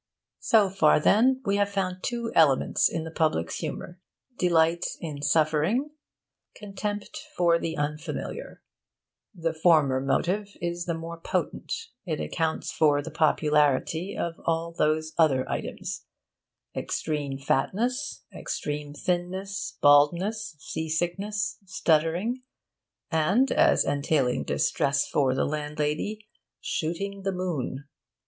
So far, then, we have found two elements in the public's humour: delight in suffering, contempt for the unfamiliar. The former motive is the more potent. It accounts for the popularity of all these other items: extreme fatness, extreme thinness, baldness, sea sickness, stuttering, and (as entailing distress for the landlady) 'shooting the moon.'